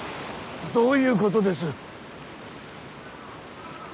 どういうことです。